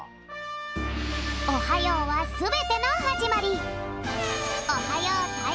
おはようはすべてのはじまり。